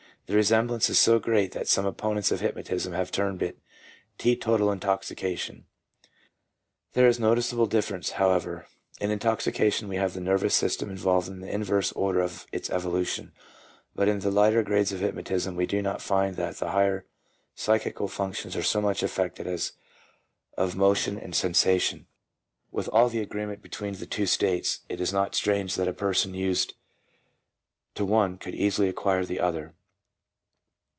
The resemblance is so great that some opponents of hypnotism have termed it " teetotal intoxication." There is this noticeable difference, however: in intoxication we have the nervous system involved in the inverse order of its evolution, but in the lighter grades of hypnotism we do not find that the higher psychical functions are so much affected as those of motion and sensation. 1 With all the agreement between the two states, it is not strange that a person used to one could easily acquire the other.